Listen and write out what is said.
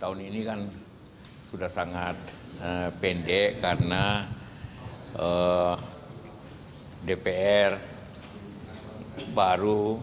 pengajuan ini kan sudah sangat pendek karena dpr baru